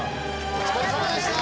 お疲れさまでした！